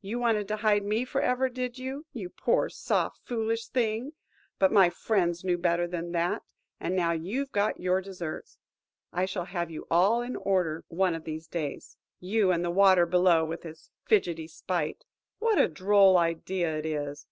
You wanted to hide me for ever, did you, you poor, soft, foolish thing? But my friends knew better than that, and now you've got your deserts. I shall have you all in order one of these days. You and the water below, with his fidgety spite. What a droll idea it is!